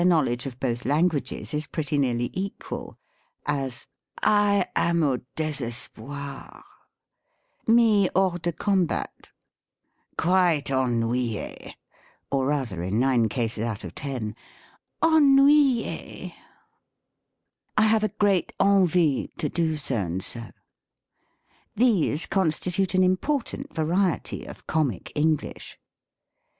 ' What a (luck of a man I knowledge of both languages is pretty nearly equal : as, " I am au desespoir," " mis hors de combat,'" "quite ennuye," or rather in nine cases out of ten, " ennuyee," —" I have a great envie" to do so and so. These constitute an important variety of comic English.